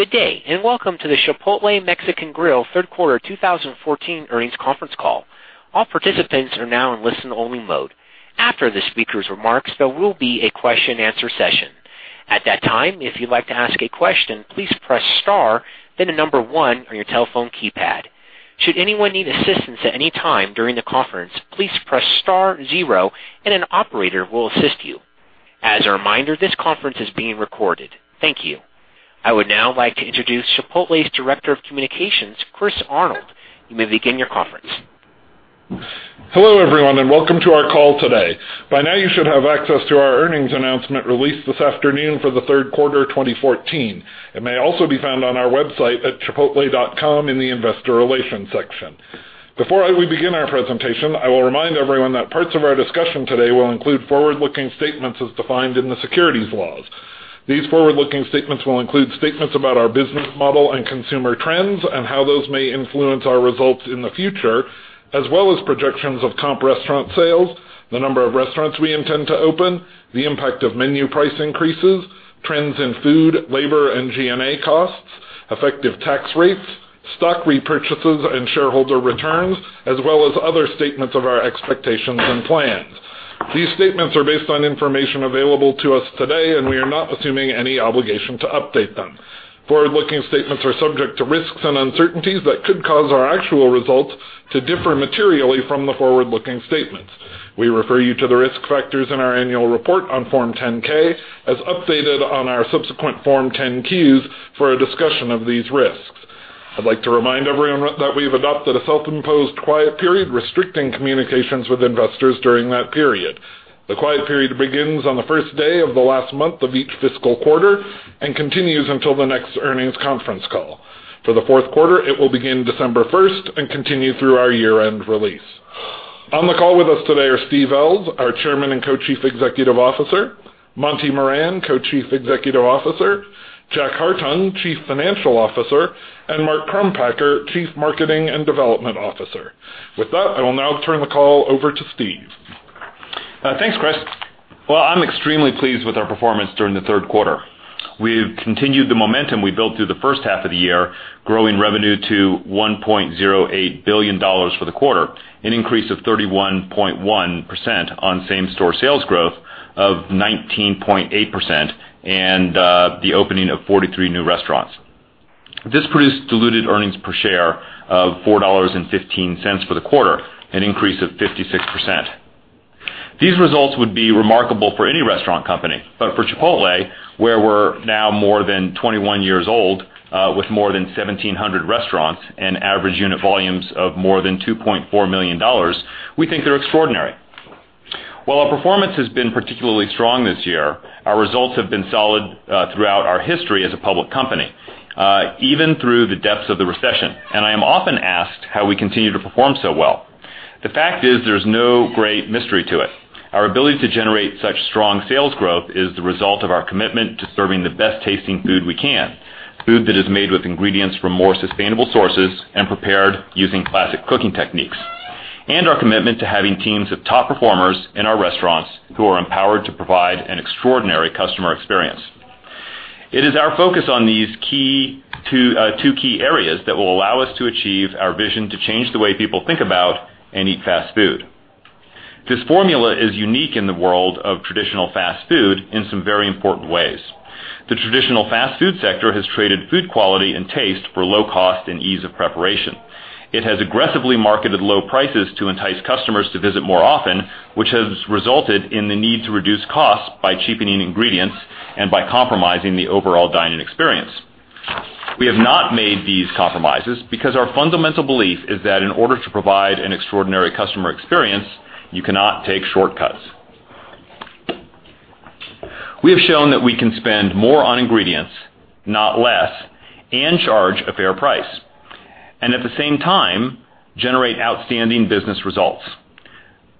Good day, welcome to the Chipotle Mexican Grill third quarter 2014 earnings conference call. All participants are now in listen-only mode. After the speakers' remarks, there will be a question-and-answer session. At that time, if you'd like to ask a question, please press star then the number one on your telephone keypad. Should anyone need assistance at any time during the conference, please press star zero and an operator will assist you. As a reminder, this conference is being recorded. Thank you. I would now like to introduce Chipotle's Director of Communications, Chris Arnold. You may begin your conference. Hello, everyone, and welcome to our call today. By now, you should have access to our earnings announcement released this afternoon for the third quarter 2014. It may also be found on our website at chipotle.com in the investor relations section. Before we begin our presentation, I will remind everyone that parts of our discussion today will include forward-looking statements as defined in the securities laws. These forward-looking statements will include statements about our business model and consumer trends and how those may influence our results in the future, as well as projections of comp restaurant sales, the number of restaurants we intend to open, the impact of menu price increases, trends in food, labor, and G&A costs, effective tax rates, stock repurchases, and shareholder returns, as well as other statements of our expectations and plans. These statements are based on information available to us today. We are not assuming any obligation to update them. Forward-looking statements are subject to risks and uncertainties that could cause our actual results to differ materially from the forward-looking statements. We refer you to the risk factors in our annual report on Form 10-K as updated on our subsequent Form 10-Q for a discussion of these risks. I'd like to remind everyone that we've adopted a self-imposed quiet period restricting communications with investors during that period. The quiet period begins on the first day of the last month of each fiscal quarter and continues until the next earnings conference call. For the fourth quarter, it will begin December 1st and continue through our year-end release. On the call with us today are Steve Ells, our Chairman and Co-Chief Executive Officer; Monty Moran, Co-Chief Executive Officer; Jack Hartung, Chief Financial Officer; and Mark Crumpacker, Chief Marketing and Development Officer. With that, I will now turn the call over to Steve. Thanks, Chris. Well, I'm extremely pleased with our performance during the third quarter. We've continued the momentum we built through the first half of the year, growing revenue to $1.08 billion for the quarter, an increase of 31.1% on same-store sales growth of 19.8% and the opening of 43 new restaurants. This produced diluted earnings per share of $4.15 for the quarter, an increase of 56%. These results would be remarkable for any restaurant company, but for Chipotle, where we're now more than 21 years old with more than 1,700 restaurants and average unit volumes of more than $2.4 million, we think they're extraordinary. While our performance has been particularly strong this year, our results have been solid throughout our history as a public company, even through the depths of the recession. I am often asked how we continue to perform so well. The fact is, there's no great mystery to it. Our ability to generate such strong sales growth is the result of our commitment to serving the best-tasting food we can, food that is made with ingredients from more sustainable sources and prepared using classic cooking techniques, and our commitment to having teams of top performers in our restaurants who are empowered to provide an extraordinary customer experience. It is our focus on these two key areas that will allow us to achieve our vision to change the way people think about and eat fast food. This formula is unique in the world of traditional fast food in some very important ways. The traditional fast food sector has traded food quality and taste for low cost and ease of preparation. It has aggressively marketed low prices to entice customers to visit more often, which has resulted in the need to reduce costs by cheapening ingredients and by compromising the overall dining experience. We have not made these compromises because our fundamental belief is that in order to provide an extraordinary customer experience, you cannot take shortcuts. We have shown that we can spend more on ingredients, not less, and charge a fair price, and at the same time, generate outstanding business results.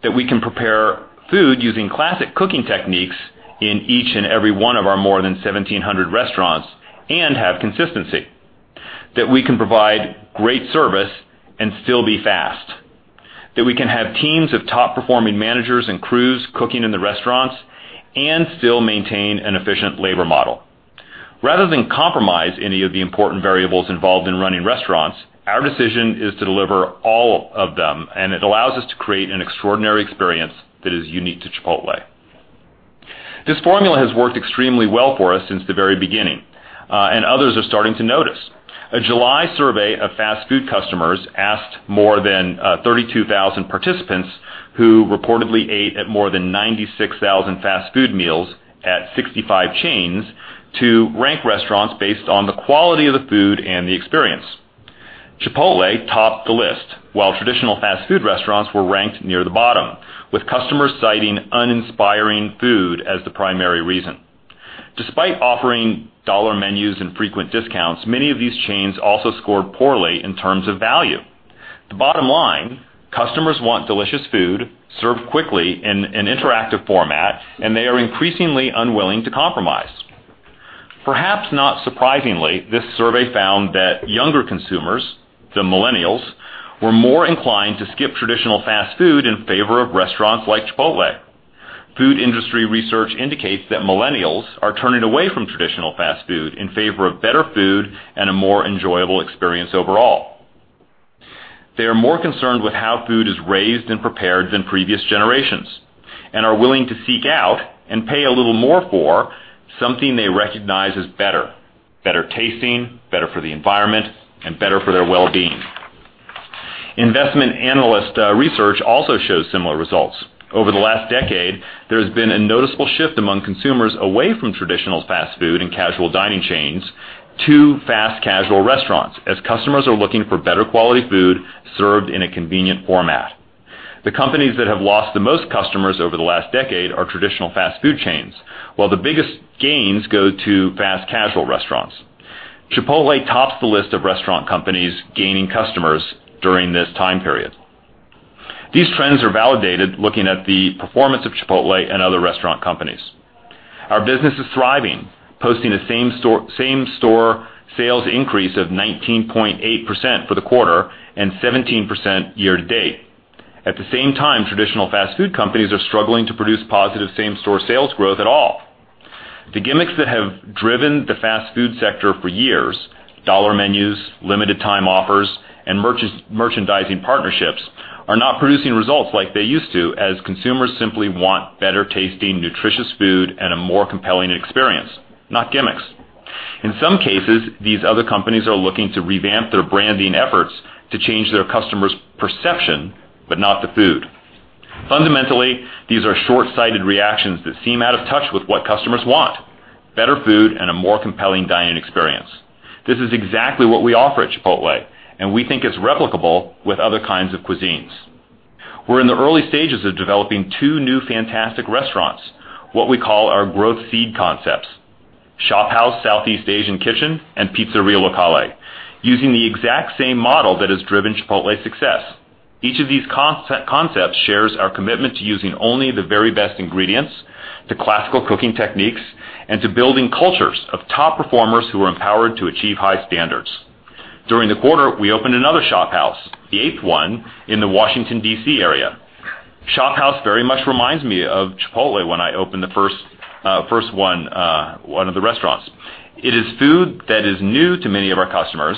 That we can prepare food using classic cooking techniques in each and every one of our more than 1,700 restaurants and have consistency. That we can provide great service and still be fast. That we can have teams of top-performing managers and crews cooking in the restaurants and still maintain an efficient labor model. Rather than compromise any of the important variables involved in running restaurants, our decision is to deliver all of them. It allows us to create an extraordinary experience that is unique to Chipotle. This formula has worked extremely well for us since the very beginning. Others are starting to notice. A July survey of fast food customers asked more than 32,000 participants who reportedly ate at more than 96,000 fast food meals at 65 chains to rank restaurants based on the quality of the food and the experience. Chipotle topped the list, while traditional fast food restaurants were ranked near the bottom, with customers citing uninspiring food as the primary reason. Despite offering dollar menus and frequent discounts, many of these chains also scored poorly in terms of value. The bottom line, customers want delicious food served quickly in an interactive format, and they are increasingly unwilling to compromise. Perhaps not surprisingly, this survey found that younger consumers, the millennials, were more inclined to skip traditional fast food in favor of restaurants like Chipotle. Food industry research indicates that millennials are turning away from traditional fast food in favor of better food and a more enjoyable experience overall. They are more concerned with how food is raised and prepared than previous generations, and are willing to seek out and pay a little more for something they recognize as better. Better tasting, better for the environment, and better for their wellbeing. Investment analyst research also shows similar results. Over the last decade, there has been a noticeable shift among consumers away from traditional fast food and casual dining chains to fast casual restaurants, as customers are looking for better quality food served in a convenient format. The companies that have lost the most customers over the last decade are traditional fast food chains, while the biggest gains go to fast casual restaurants. Chipotle tops the list of restaurant companies gaining customers during this time period. These trends are validated looking at the performance of Chipotle and other restaurant companies. Our business is thriving, posting a same-store sales increase of 19.8% for the quarter and 17% year-to-date. At the same time, traditional fast food companies are struggling to produce positive same-store sales growth at all. The gimmicks that have driven the fast food sector for years, dollar menus, limited time offers, and merchandising partnerships, are not producing results like they used to, as consumers simply want better tasting, nutritious food and a more compelling experience, not gimmicks. In some cases, these other companies are looking to revamp their branding efforts to change their customers' perception, but not the food. Fundamentally, these are shortsighted reactions that seem out of touch with what customers want, better food and a more compelling dining experience. This is exactly what we offer at Chipotle, and we think it's replicable with other kinds of cuisines. We're in the early stages of developing two new fantastic restaurants, what we call our growth seed concepts, ShopHouse Southeast Asian Kitchen and Pizzeria Locale, using the exact same model that has driven Chipotle's success. Each of these concepts shares our commitment to using only the very best ingredients, to classical cooking techniques, and to building cultures of top performers who are empowered to achieve high standards. During the quarter, we opened another ShopHouse, the eighth one, in the Washington, D.C. area. ShopHouse very much reminds me of Chipotle when I opened the first one of the restaurants. It is food that is new to many of our customers,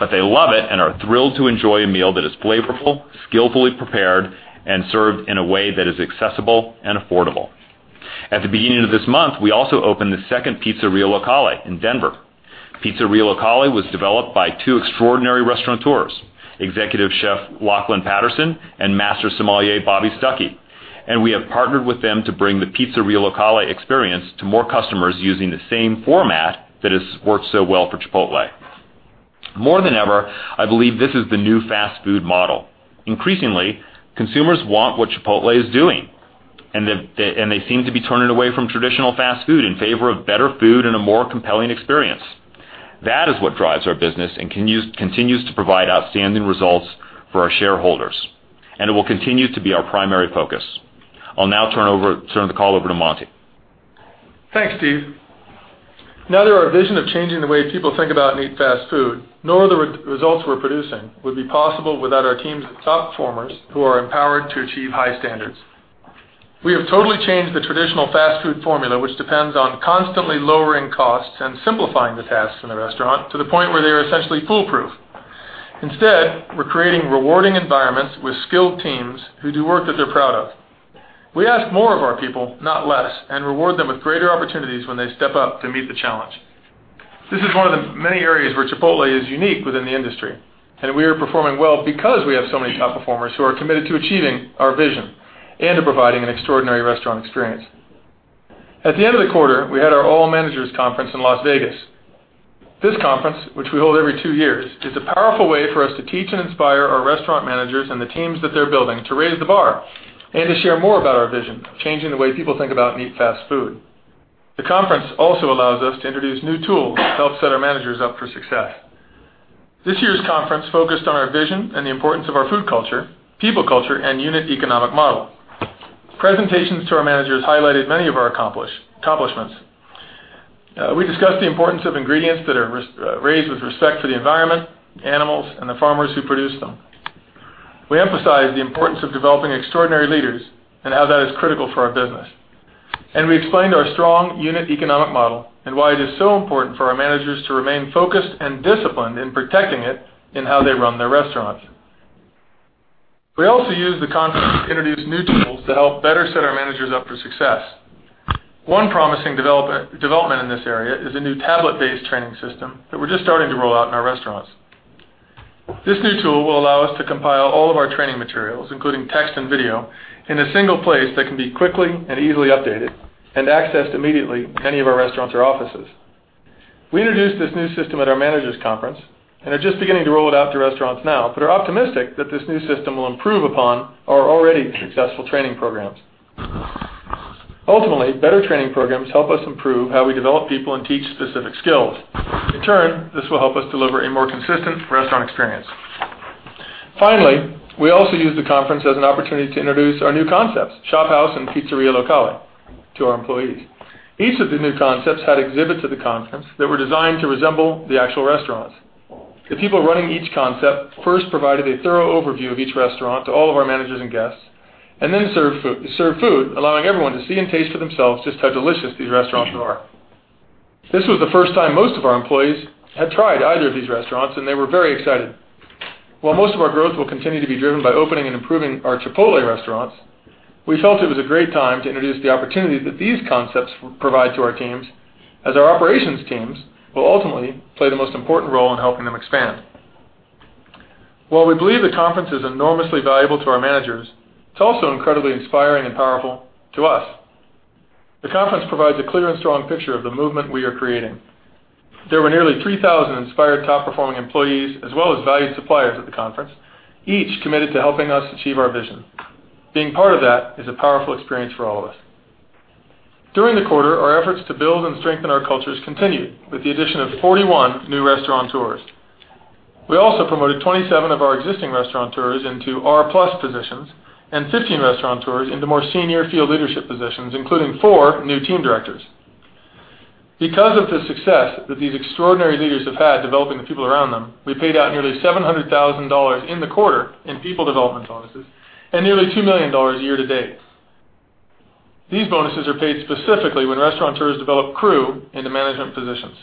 but they love it and are thrilled to enjoy a meal that is flavorful, skillfully prepared, and served in a way that is accessible and affordable. At the beginning of this month, we also opened the second Pizzeria Locale in Denver. Pizzeria Locale was developed by two extraordinary restaurateurs, Executive Chef Lachlan Mackinnon-Patterson and Master Sommelier Bobby Stuckey, we have partnered with them to bring the Pizzeria Locale experience to more customers using the same format that has worked so well for Chipotle. More than ever, I believe this is the new fast food model. Increasingly, consumers want what Chipotle is doing, they seem to be turning away from traditional fast food in favor of better food and a more compelling experience. That is what drives our business and continues to provide outstanding results for our shareholders, it will continue to be our primary focus. I'll now turn the call over to Monty. Thanks, Steve. Neither our vision of changing the way people think about and eat fast food, nor the results we're producing, would be possible without our teams of top performers who are empowered to achieve high standards. We have totally changed the traditional fast food formula, which depends on constantly lowering costs and simplifying the tasks in a restaurant to the point where they are essentially foolproof. Instead, we're creating rewarding environments with skilled teams who do work that they're proud of. We ask more of our people, not less, reward them with greater opportunities when they step up to meet the challenge. This is one of the many areas where Chipotle is unique within the industry, we are performing well because we have so many top performers who are committed to achieving our vision to providing an extraordinary restaurant experience. At the end of the quarter, we had our All Managers Conference in Las Vegas. This conference, which we hold every two years, is a powerful way for us to teach and inspire our restaurant managers and the teams that they're building to raise the bar to share more about our vision of changing the way people think about and eat fast food. The conference also allows us to introduce new tools to help set our managers up for success. This year's conference focused on our vision the importance of our food culture, people culture, unit economic model. Presentations to our managers highlighted many of our accomplishments. We discussed the importance of ingredients that are raised with respect for the environment, animals, the farmers who produce them. We emphasized the importance of developing extraordinary leaders, how that is critical for our business. We explained our strong unit economic model why it is so important for our managers to remain focused disciplined in protecting it in how they run their restaurants. We also used the conference to introduce new tools to help better set our managers up for success. One promising development in this area is a new tablet-based training system that we're just starting to roll out in our restaurants. This new tool will allow us to compile all of our training materials, including text video, in a single place that can be quickly easily updated accessed immediately in any of our restaurants or offices. We introduced this new system at our All Managers Conference, are just beginning to roll it out to restaurants now, are optimistic that this new system will improve upon our already successful training programs. Ultimately, better training programs help us improve how we develop people and teach specific skills. In turn, this will help us deliver a more consistent restaurant experience. Finally, we also used the conference as an opportunity to introduce our new concepts, ShopHouse and Pizzeria Locale, to our employees. Each of the new concepts had exhibits at the conference that were designed to resemble the actual restaurants. The people running each concept first provided a thorough overview of each restaurant to all of our managers and guests, and then served food, allowing everyone to see and taste for themselves just how delicious these restaurants are. This was the first time most of our employees had tried either of these restaurants, and they were very excited. While most of our growth will continue to be driven by opening and improving our Chipotle restaurants, we felt it was a great time to introduce the opportunity that these concepts provide to our teams, as our operations teams will ultimately play the most important role in helping them expand. While we believe the conference is enormously valuable to our managers, it's also incredibly inspiring and powerful to us. The conference provides a clear and strong picture of the movement we are creating. There were nearly 3,000 inspired top-performing employees, as well as valued suppliers at the conference, each committed to helping us achieve our vision. Being part of that is a powerful experience for all of us. During the quarter, our efforts to build and strengthen our cultures continued with the addition of 41 new restaurateurs. We also promoted 27 of our existing restaurateurs into R Plus Positions and 15 restaurateurs into more senior field leadership positions, including four new Team Directors. Because of the success that these extraordinary leaders have had developing the people around them, we paid out nearly $700,000 in the quarter in people development bonuses and nearly $2 million year-to-date. These bonuses are paid specifically when restaurateurs develop crew into management positions.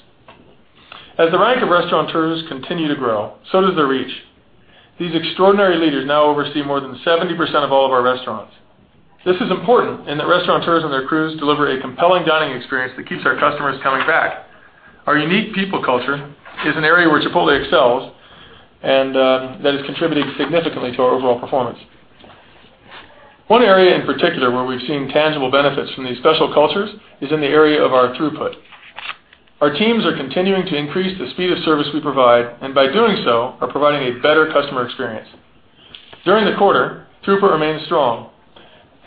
As the rank of restaurateurs continue to grow, so does their reach. These extraordinary leaders now oversee more than 70% of all of our restaurants. This is important in that restaurateurs and their crews deliver a compelling dining experience that keeps our customers coming back. Our unique people culture is an area where Chipotle excels, and that is contributing significantly to our overall performance. One area in particular where we've seen tangible benefits from these special cultures is in the area of our throughput. Our teams are continuing to increase the speed of service we provide, and by doing so, are providing a better customer experience. During the quarter, throughput remained strong.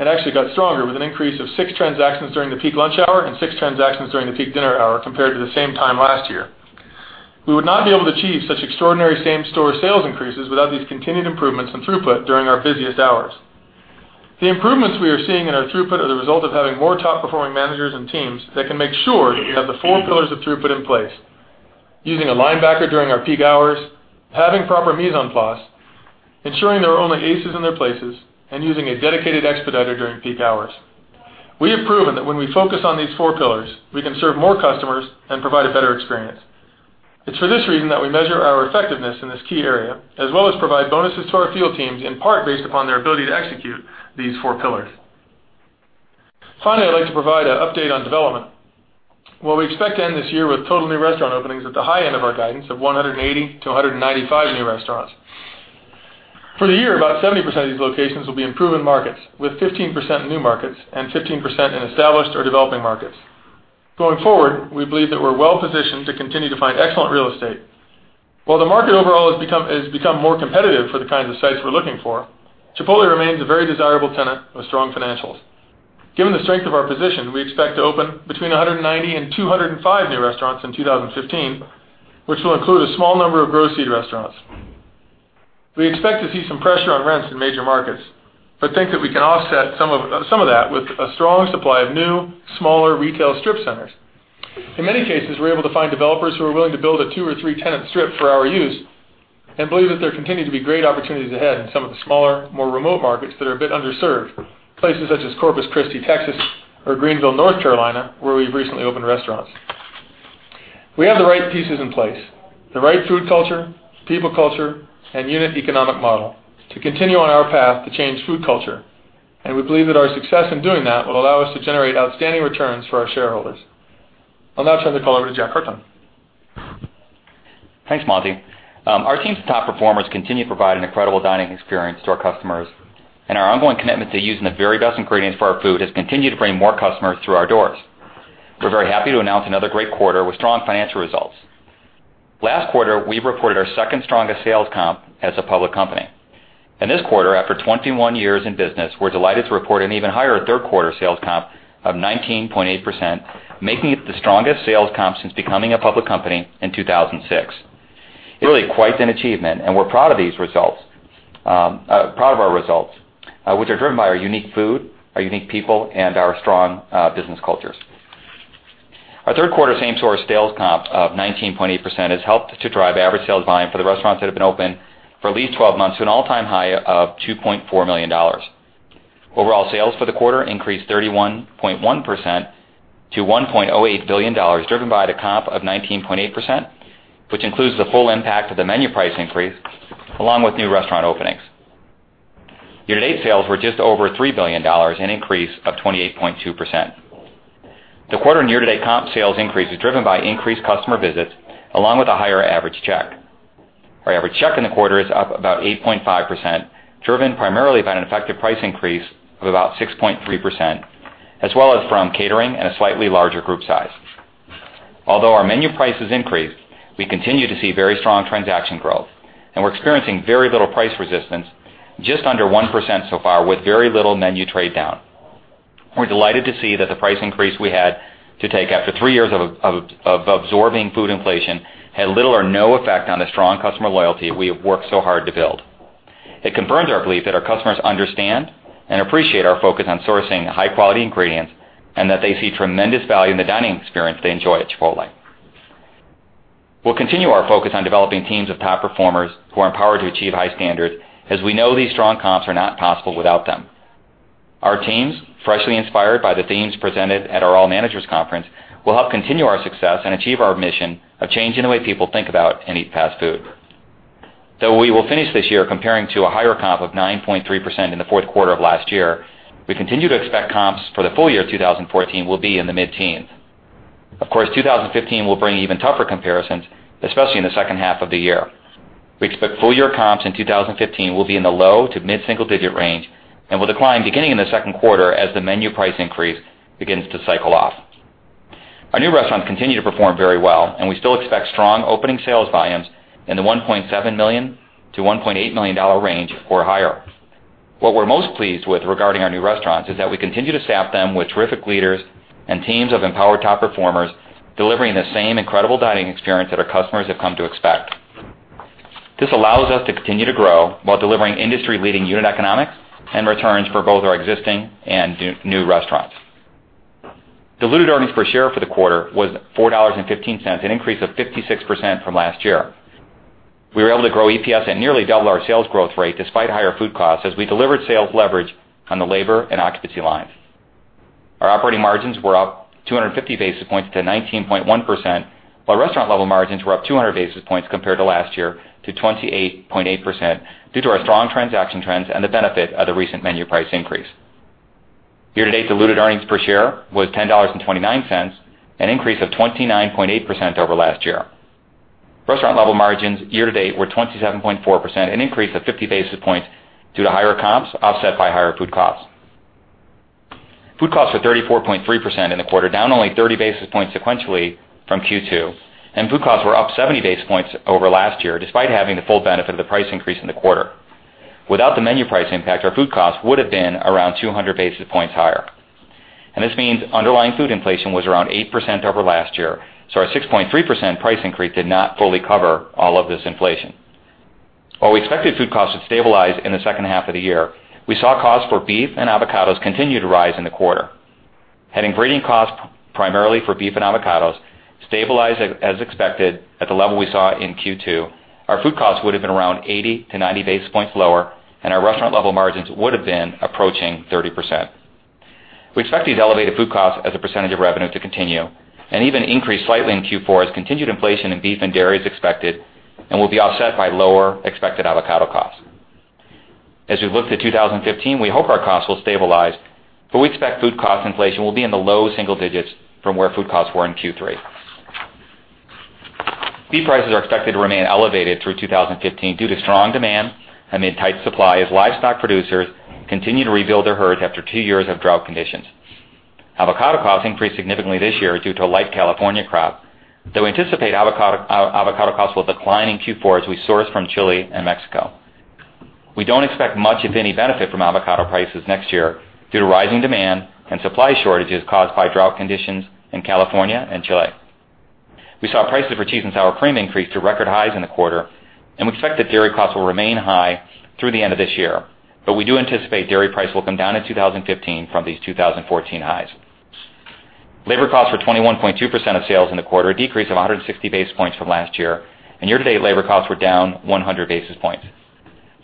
It actually got stronger with an increase of six transactions during the peak lunch hour and six transactions during the peak dinner hour compared to the same time last year. We would not be able to achieve such extraordinary same-store sales increases without these continued improvements in throughput during our busiest hours. The improvements we are seeing in our throughput are the result of having more top-performing managers and teams that can make sure we have the Four Pillars of Throughput in place. Using a linebacker during our peak hours, having proper mise en place, ensuring there are only aces in their places, and using a dedicated expediter during peak hours. We have proven that when we focus on these Four Pillars, we can serve more customers and provide a better experience. It's for this reason that we measure our effectiveness in this key area, as well as provide bonuses to our field teams, in part, based upon their ability to execute these Four Pillars. Finally, I'd like to provide an update on development. While we expect to end this year with total new restaurant openings at the high end of our guidance of 180-195 new restaurants. For the year, about 70% of these locations will be in proven markets, with 15% in new markets and 15% in established or developing markets. Going forward, we believe that we're well-positioned to continue to find excellent real estate. While the market overall has become more competitive for the kinds of sites we're looking for, Chipotle remains a very desirable tenant with strong financials. Given the strength of our position, we expect to open between 190-205 new restaurants in 2015, which will include a small number of growth seed restaurants. We expect to see some pressure on rents in major markets, but think that we can offset some of that with a strong supply of new, smaller retail strip centers. In many cases, we're able to find developers who are willing to build a two or three-tenant strip for our use and believe that there continue to be great opportunities ahead in some of the smaller, more remote markets that are a bit underserved. Places such as Corpus Christi, Texas, or Greenville, North Carolina, where we've recently opened restaurants. We have the right pieces in place, the right food culture, people culture, and unit economic model to continue on our path to change food culture. We believe that our success in doing that will allow us to generate outstanding returns for our shareholders. I'll now turn the call over to Jack Hartung. Thanks, Monty. Our team's top performers continue to provide an incredible dining experience to our customers, and our ongoing commitment to using the very best ingredients for our food has continued to bring more customers through our doors. We're very happy to announce another great quarter with strong financial results. Last quarter, we reported our second strongest sales comp as a public company. In this quarter, after 21 years in business, we're delighted to report an even higher third-quarter sales comp of 19.8%, making it the strongest sales comp since becoming a public company in 2006. It really is quite an achievement. We're proud of our results, which are driven by our unique food, our unique people, and our strong business cultures. Our third-quarter same-store sales comp of 19.8% has helped to drive average sales volume for the restaurants that have been open for at least 12 months to an all-time high of $2.4 million. Overall sales for the quarter increased 31.1% to $1.08 billion, driven by the comp of 19.8%, which includes the full impact of the menu price increase along with new restaurant openings. Year-to-date sales were just over $3 billion, an increase of 28.2%. The quarter year-to-date comp sales increase is driven by increased customer visits along with a higher average check. Our average check in the quarter is up about 8.5%, driven primarily by an effective price increase of about 6.3%, as well as from catering and a slightly larger group size. Although our menu prices increased, we continue to see very strong transaction growth, we're experiencing very little price resistance, just under 1% so far, with very little menu trade-down. We're delighted to see that the price increase we had to take after three years of absorbing food inflation had little or no effect on the strong customer loyalty we have worked so hard to build. It confirms our belief that our customers understand and appreciate our focus on sourcing high-quality ingredients, they see tremendous value in the dining experience they enjoy at Chipotle. We'll continue our focus on developing teams of top performers who are empowered to achieve high standards, as we know these strong comps are not possible without them. Our teams, freshly inspired by the themes presented at our All Managers Conference, will help continue our success and achieve our mission of changing the way people think about and eat fast food. Though we will finish this year comparing to a higher comp of 9.3% in the fourth quarter of last year, we continue to expect comps for the full year 2014 will be in the mid-teens. Of course, 2015 will bring even tougher comparisons, especially in the second half of the year. We expect full-year comps in 2015 will be in the low to mid-single digit range and will decline beginning in the second quarter as the menu price increase begins to cycle off. Our new restaurants continue to perform very well, we still expect strong opening sales volumes in the $1.7 million-$1.8 million range or higher. What we're most pleased with regarding our new restaurants is that we continue to staff them with terrific leaders and teams of empowered top performers, delivering the same incredible dining experience that our customers have come to expect. This allows us to continue to grow while delivering industry-leading unit economics and returns for both our existing and new restaurants. Diluted earnings per share for the quarter was $4.15, an increase of 56% from last year. We were able to grow EPS and nearly double our sales growth rate despite higher food costs as we delivered sales leverage on the labor and occupancy lines. Our operating margins were up 250 basis points to 19.1%, while restaurant-level margins were up 200 basis points compared to last year to 28.8% due to our strong transaction trends and the benefit of the recent menu price increase. Year-to-date diluted earnings per share was $10.29, an increase of 29.8% over last year. Restaurant-level margins year-to-date were 27.4%, an increase of 50 basis points due to higher comps, offset by higher food costs. Food costs were 34.3% in the quarter, down only 30 basis points sequentially from Q2. Food costs were up 70 basis points over last year, despite having the full benefit of the price increase in the quarter. Without the menu price impact, our food cost would have been around 200 basis points higher. This means underlying food inflation was around 8% over last year, so our 6.3% price increase did not fully cover all of this inflation. While we expected food costs to stabilize in the second half of the year, we saw costs for beef and avocados continue to rise in the quarter. Had ingredient costs, primarily for beef and avocados, stabilized as expected at the level we saw in Q2, our food costs would have been around 80-90 basis points lower, and our restaurant-level margins would have been approaching 30%. We expect these elevated food costs as a percentage of revenue to continue and even increase slightly in Q4 as continued inflation in beef and dairy is expected and will be offset by lower expected avocado costs. As we look to 2015, we hope our costs will stabilize, but we expect food cost inflation will be in the low single digits from where food costs were in Q3. Beef prices are expected to remain elevated through 2015 due to strong demand amid tight supply as livestock producers continue to rebuild their herds after two years of drought conditions. Avocado costs increased significantly this year due to a light California crop, though we anticipate avocado costs will decline in Q4 as we source from Chile and Mexico. We don't expect much, if any, benefit from avocado prices next year due to rising demand and supply shortages caused by drought conditions in California and Chile. We saw prices for cheese and sour cream increase to record highs in the quarter. We expect that dairy costs will remain high through the end of this year. We do anticipate dairy price will come down in 2015 from these 2014 highs. Labor costs were 21.2% of sales in the quarter, a decrease of 160 basis points from last year. Year-to-date labor costs were down 100 basis points.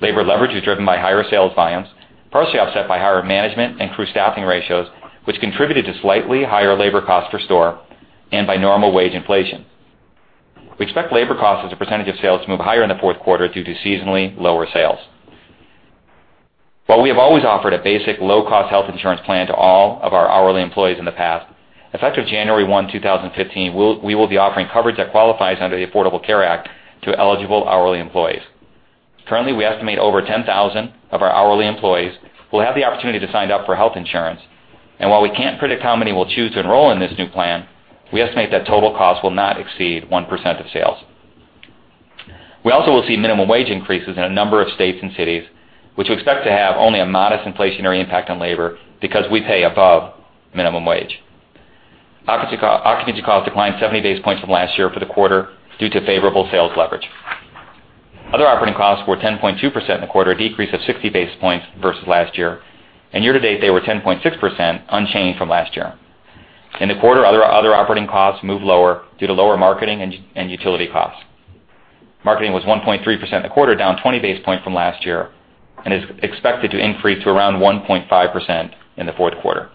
Labor leverage was driven by higher sales volumes, partially offset by higher management and crew staffing ratios, which contributed to slightly higher labor costs per store and by normal wage inflation. We expect labor costs as a percentage of sales to move higher in the fourth quarter due to seasonally lower sales. While we have always offered a basic low-cost health insurance plan to all of our hourly employees in the past, effective January 1, 2015, we will be offering coverage that qualifies under the Affordable Care Act to eligible hourly employees. Currently, we estimate over 10,000 of our hourly employees will have the opportunity to sign up for health insurance. While we can't predict how many will choose to enroll in this new plan, we estimate that total cost will not exceed 1% of sales. We also will see minimum wage increases in a number of states and cities, which we expect to have only a modest inflationary impact on labor because we pay above minimum wage. Occupancy costs declined 70 basis points from last year for the quarter due to favorable sales leverage. Other operating costs were 10.2% in the quarter, a decrease of 60 basis points versus last year, and year-to-date, they were 10.6%, unchanged from last year. In the quarter, other operating costs moved lower due to lower marketing and utility costs. Marketing was 1.3% in the quarter, down 20 basis points from last year, and is expected to increase to around 1.5% in the fourth quarter.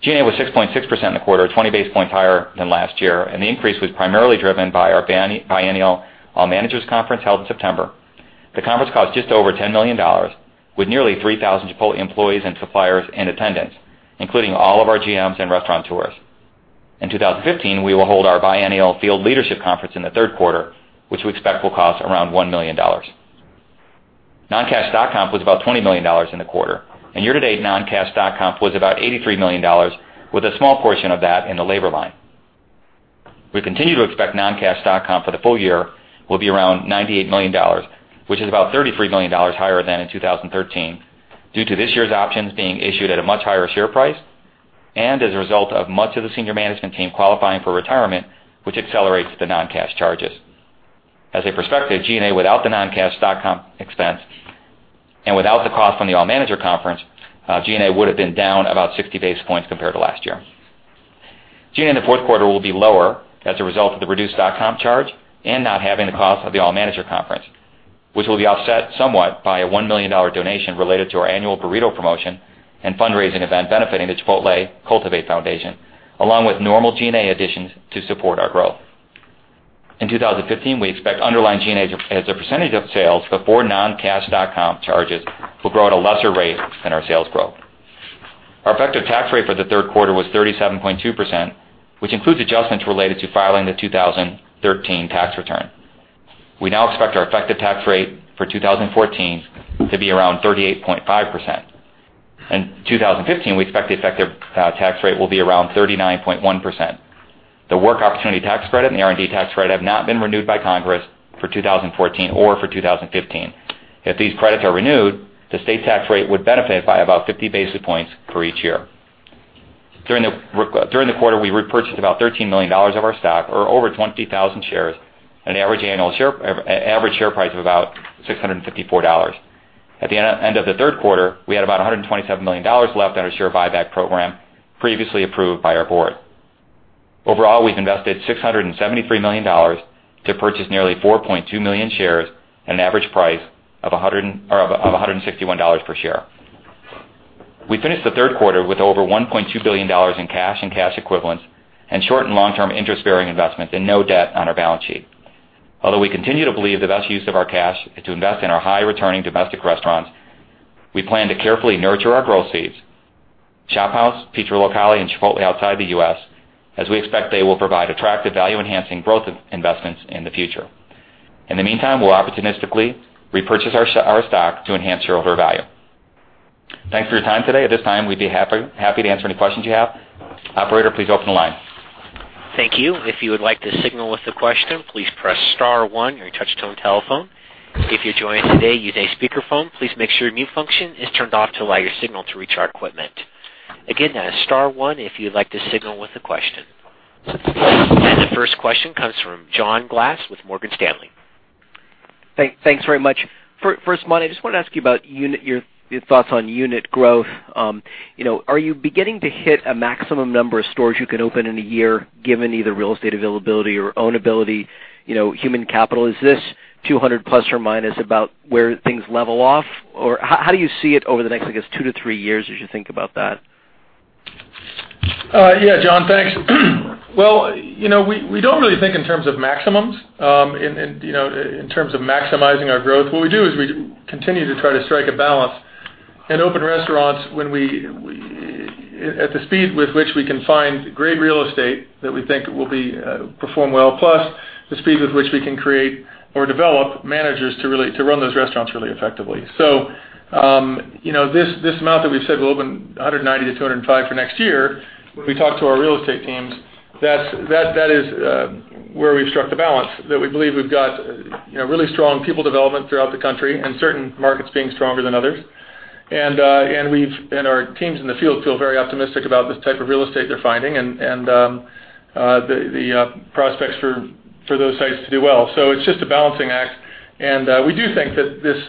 G&A was 6.6% in the quarter, 20 basis points higher than last year, and the increase was primarily driven by our biennial All Managers Conference held in September. The conference cost just over $10 million, with nearly 3,000 Chipotle employees and suppliers in attendance, including all of our GMs and restaurateurs. In 2015, we will hold our biennial Field Leadership Conference in the third quarter, which we expect will cost around $1 million. Non-cash stock comp was about $20 million in the quarter, and year-to-date non-cash stock comp was about $83 million, with a small portion of that in the labor line. We continue to expect non-cash stock comp for the full year will be around $98 million, which is about $33 million higher than in 2013 due to this year's options being issued at a much higher share price. As a result of much of the senior management team qualifying for retirement, which accelerates the non-cash charges. As a perspective, G&A without the non-cash stock comp expense and without the cost from the All Managers Conference, G&A would've been down about 60 basis points compared to last year. G&A in the fourth quarter will be lower as a result of the reduced stock comp charge and not having the cost of the All Managers Conference, which will be offset somewhat by a $1 million donation related to our annual burrito promotion and fundraising event benefiting the Chipotle Cultivate Foundation, along with normal G&A additions to support our growth. In 2015, we expect underlying G&A as a percentage of sales before non-cash stock comp charges will grow at a lesser rate than our sales growth. Our effective tax rate for the third quarter was 37.2%, which includes adjustments related to filing the 2013 tax return. We now expect our effective tax rate for 2014 to be around 38.5%. In 2015, we expect the effective tax rate will be around 39.1%. The Work Opportunity Tax Credit and the R&D tax credit have not been renewed by Congress for 2014 or for 2015. If these credits are renewed, the state tax rate would benefit by about 50 basis points for each year. During the quarter, we repurchased about $13 million of our stock, or over 20,000 shares, at an average share price of about $654. At the end of the third quarter, we had about $127 million left on our share buyback program previously approved by our board. Overall, we've invested $673 million to purchase nearly 4.2 million shares at an average price of $161 per share. We finished the third quarter with over $1.2 billion in cash and cash equivalents and short and long-term interest-bearing investments and no debt on our balance sheet. Although we continue to believe the best use of our cash is to invest in our high-returning domestic restaurants, we plan to carefully nurture our growth seeds, ShopHouse, Pizzeria Locale, and Chipotle outside the U.S., as we expect they will provide attractive value-enhancing growth investments in the future. In the meantime, we'll opportunistically repurchase our stock to enhance shareholder value. Thanks for your time today. At this time, we'd be happy to answer any questions you have. Operator, please open the line. Thank you. If you would like to signal with a question, please press star 1 on your touch-tone telephone. If you're joining today using a speakerphone, please make sure mute function is turned off to allow your signal to reach our equipment. Again, that is star 1 if you'd like to signal with a question. The first question comes from John Glass with Morgan Stanley. Thanks very much. First, Monty, I just wanted to ask you about your thoughts on unit growth. Are you beginning to hit a maximum number of stores you can open in a year, given either real estate availability or own ability, human capital? Is this 200 plus or minus about where things level off? Or how do you see it over the next, I guess, 2 to 3 years as you think about that? Yeah, John, thanks. We don't really think in terms of maximums, in terms of maximizing our growth. What we do is we continue to try to strike a balance and open restaurants at the speed with which we can find great real estate that we think will perform well, plus the speed with which we can create or develop managers to run those restaurants really effectively. So this amount that we've said, we'll open 190 to 205 for next year, we talked to our real estate teams, that is where we've struck the balance, that we believe we've got really strong people development throughout the country and certain markets being stronger than others. Our teams in the field feel very optimistic about the type of real estate they're finding and the prospects for those sites to do well. It's just a balancing act, we do think that this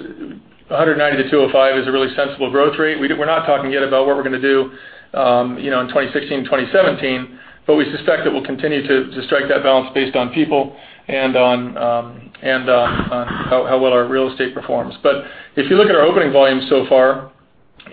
190-205 is a really sensible growth rate. We're not talking yet about what we're going to do in 2016 and 2017. We suspect that we'll continue to strike that balance based on people and on how well our real estate performs. If you look at our opening volumes so far,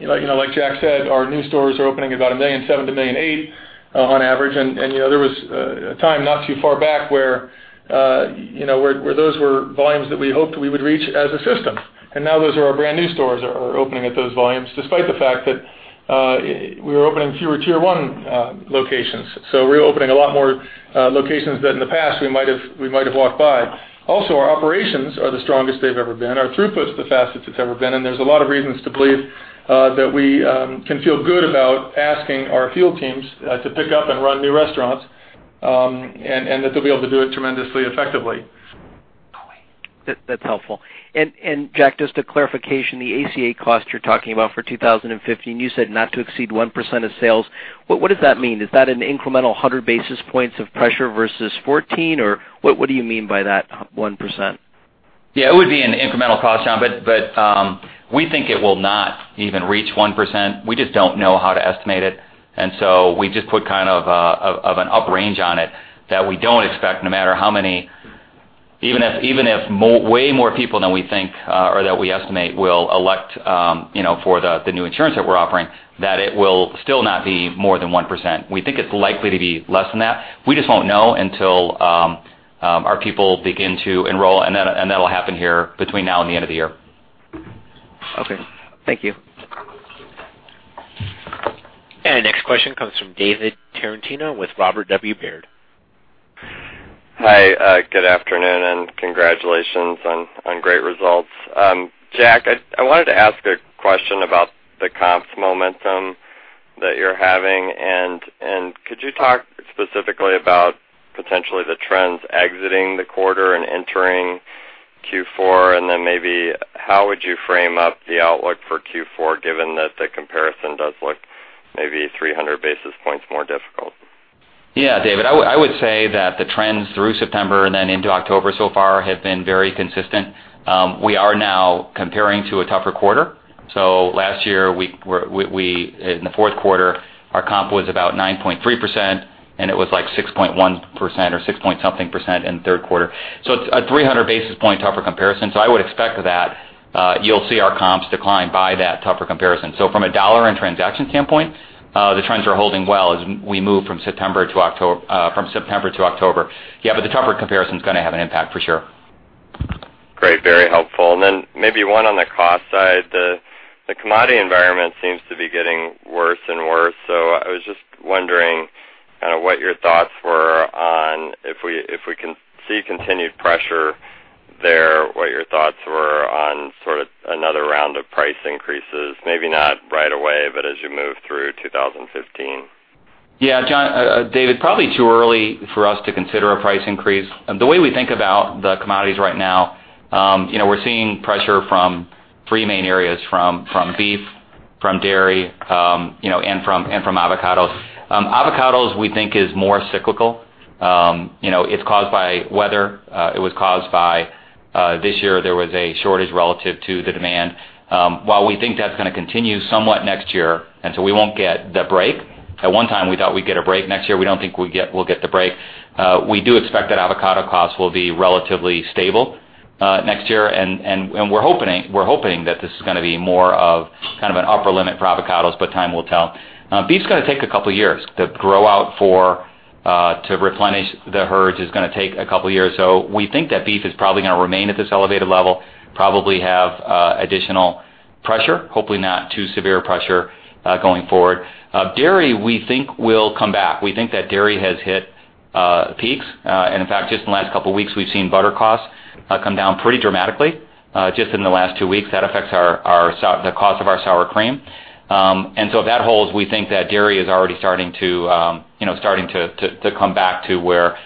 like Jack said, our new stores are opening about $1.7 million-$1.8 million on average, and there was a time not too far back where those were volumes that we hoped we would reach as a system. Now those are our brand-new stores are opening at those volumes, despite the fact that we're opening fewer Tier 1 locations. We're opening a lot more locations that in the past we might have walked by. Our operations are the strongest they've ever been. Our throughput's the fastest it's ever been. There's a lot of reasons to believe that we can feel good about asking our field teams to pick up and run new restaurants, and that they'll be able to do it tremendously effectively. That's helpful. Jack, just a clarification, the ACA cost you're talking about for 2015, you said not to exceed 1% of sales. What does that mean? Is that an incremental 100 basis points of pressure versus 2014, or what do you mean by that 1%? It would be an incremental cost, John. We think it will not even reach 1%. We just don't know how to estimate it. We just put kind of an up range on it that we don't expect, no matter how many even if way more people than we think or that we estimate will elect for the new insurance that we're offering, that it will still not be more than 1%. We think it's likely to be less than that. We just won't know until our people begin to enroll. That'll happen here between now and the end of the year. Okay. Thank you. Next question comes from David Tarantino with Robert W. Baird. Hi, good afternoon, congratulations on great results. Jack, I wanted to ask a question about the comps momentum that you're having, could you talk specifically about potentially the trends exiting the quarter and entering Q4, then maybe how would you frame up the outlook for Q4, given that the comparison does look maybe 300 basis points more difficult? David. I would say that the trends through September and then into October so far have been very consistent. We are now comparing to a tougher quarter. Last year, in the fourth quarter, our comp was about 9.3%, and it was like 6.1% or six point something percent in the third quarter. It's a 300 basis point tougher comparison. I would expect that you'll see our comps decline by that tougher comparison. From a dollar and transaction standpoint, the trends are holding well as we move from September to October. But the tougher comparison is going to have an impact for sure. Great. Very helpful. Maybe one on the cost side. The commodity environment seems to be getting worse and worse. I was just wondering what your thoughts were on if we can see continued pressure there, what your thoughts were on sort of another round of price increases, maybe not right away, but as you move through 2015. David, probably too early for us to consider a price increase. The way we think about the commodities right now, we're seeing pressure from three main areas, from beef, from dairy, and from avocados. Avocados, we think is more cyclical. It's caused by weather. This year, there was a shortage relative to the demand. While we think that's going to continue somewhat next year, and so we won't get the break. At one time, we thought we'd get a break. Next year, we don't think we'll get the break. We do expect that avocado costs will be relatively stable next year, and we're hoping that this is going to be more of kind of an upper limit for avocados, but time will tell. Beef is going to take a couple of years. To replenish the herds is going to take a couple of years. We think that beef is probably going to remain at this elevated level, probably have additional pressure, hopefully not too severe pressure, going forward. Dairy, we think will come back. We think that dairy has hit peaks. In fact, just in the last couple of weeks, we've seen butter costs come down pretty dramatically just in the last two weeks. That affects the cost of our sour cream. If that holds, we think that dairy is already starting to come back to where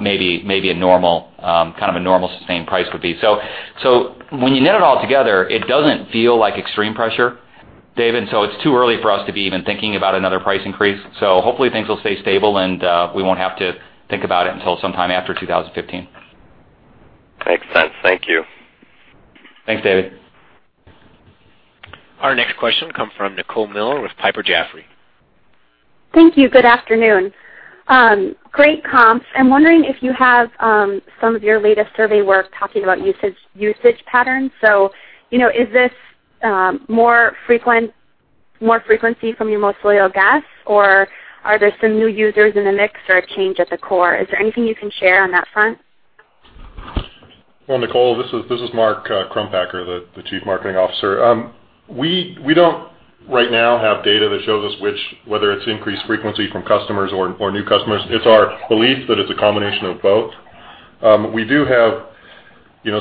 maybe a kind of a normal sustained price would be. When you net it all together, it doesn't feel like extreme pressure, David, it's too early for us to be even thinking about another price increase. Hopefully things will stay stable, and we won't have to think about it until sometime after 2015. Makes sense. Thank you. Thanks, David. Our next question comes from Nicole Miller with Piper Jaffray. Thank you. Good afternoon. Great comps. I'm wondering if you have some of your latest survey work talking about usage patterns. Is this more frequency from your most loyal guests, or are there some new users in the mix or a change at the core? Is there anything you can share on that front? Nicole, this is Mark Crumpacker, the Chief Marketing Officer. We don't right now have data that shows us whether it's increased frequency from customers or new customers. It's our belief that it's a combination of both. We do have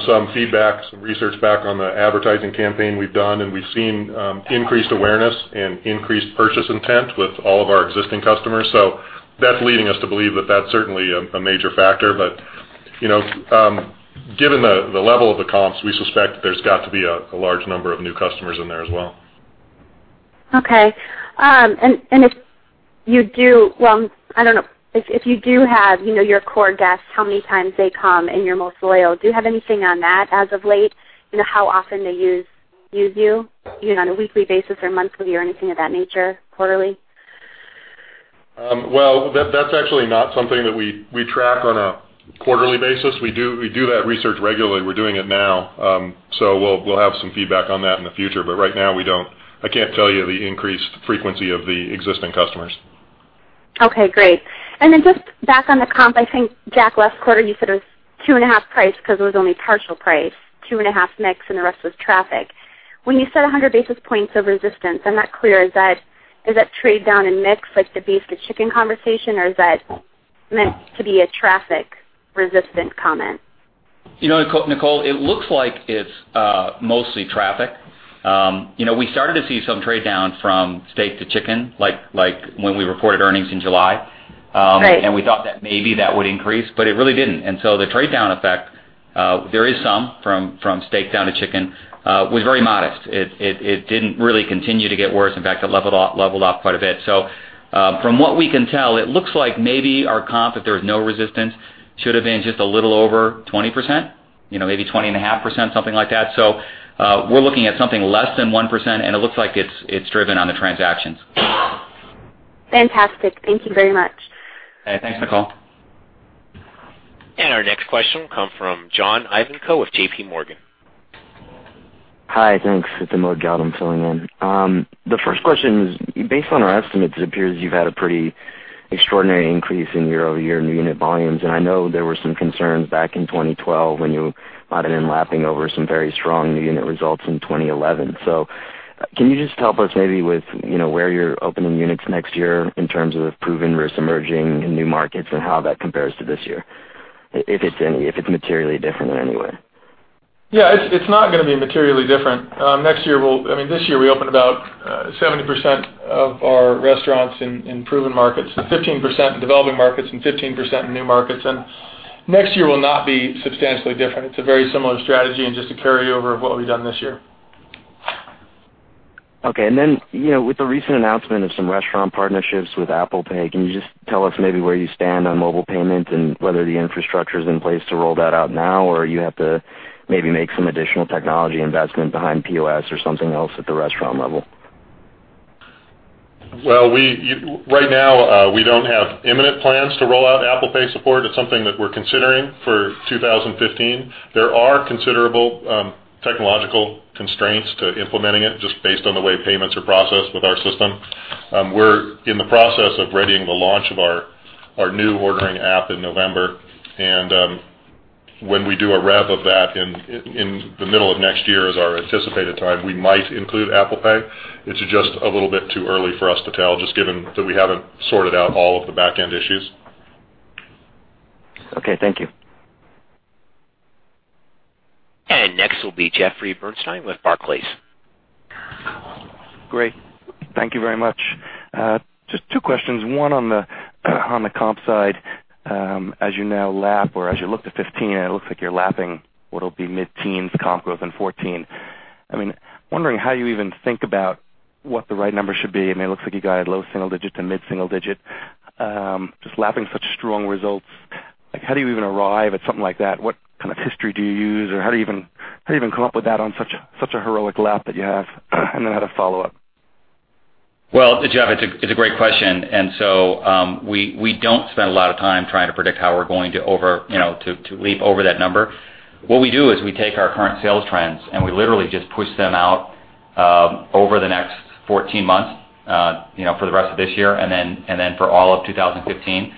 some research back on the advertising campaign we've done, we've seen increased awareness and increased purchase intent with all of our existing customers. That's leading us to believe that that's certainly a major factor. Given the level of the comps, we suspect there's got to be a large number of new customers in there as well. Okay. If you do have your core guests, how many times they come, and your most loyal, do you have anything on that as of late? How often they use you on a weekly basis or monthly or anything of that nature, quarterly? That's actually not something that we track on a quarterly basis. We do that research regularly. We're doing it now. We'll have some feedback on that in the future, but right now I can't tell you the increased frequency of the existing customers. Okay, great. Just back on the comp, I think, Jack, last quarter you said it was 2.5 price because it was only partial price, 2.5 mix, and the rest was traffic. When you said 100 basis points of resistance, I'm not clear. Is that trade down in mix, like the beef to chicken conversation, or is that meant to be a traffic resistant comment? Nicole, it looks like it's mostly traffic. We started to see some trade down from steak to chicken, like when we reported earnings in July. Right. We thought that maybe that would increase, but it really didn't. So the trade down effect, there is some from steak down to chicken, was very modest. It didn't really continue to get worse. In fact, it leveled off quite a bit. So from what we can tell, it looks like maybe our comp, if there was no resistance, should have been just a little over 20%, maybe 20.5%, something like that. So we're looking at something less than 1%, and it looks like it's driven on the transactions. Fantastic. Thank you very much. Thanks, Nicole. Our next question will come from John Ivankoe with J.P. Morgan. Hi, thanks. It's Arnaud Goulet. I am filling in. The first question is, based on our estimates, it appears you've had a pretty extraordinary increase in year-over-year new unit volumes. I know there were some concerns back in 2012 when you might have been lapping over some very strong new unit results in 2011. Can you just help us maybe with where you're opening units next year in terms of proven versus emerging in new markets and how that compares to this year, if it's materially different in any way? It's not going to be materially different. This year, we opened about 70% of our restaurants in proven markets, 15% in developing markets, and 15% in new markets. Next year will not be substantially different. It's a very similar strategy and just a carryover of what we've done this year. Okay. Then, with the recent announcement of some restaurant partnerships with Apple Pay, can you just tell us maybe where you stand on mobile payment and whether the infrastructure's in place to roll that out now, or you have to maybe make some additional technology investment behind POS or something else at the restaurant level? Well, right now, we don't have imminent plans to roll out Apple Pay support. It's something that we're considering for 2015. There are considerable technological constraints to implementing it, just based on the way payments are processed with our system. We're in the process of readying the launch of our new ordering app in November. When we do a rev of that in the middle of next year as our anticipated time, we might include Apple Pay. It's just a little bit too early for us to tell, just given that we haven't sorted out all of the back-end issues. Okay, thank you. Next will be Jeffrey Bernstein with Barclays. Great. Thank you very much. Just two questions. One on the comp side, as you now lap, or as you look to 2015, it looks like you're lapping what'll be mid-teens comp growth in 2014. I'm wondering how you even think about what the right number should be. It looks like you got low single digit to mid-single digit. Just lapping such strong results, how do you even arrive at something like that? What kind of history do you use, or how do you even come up with that on such a heroic lap that you have? Then I had a follow-up. Jeff, it's a great question. We don't spend a lot of time trying to predict how we're going to leap over that number. What we do is we take our current sales trends, we literally just push them out over the next 14 months, for the rest of this year, then for all of 2015.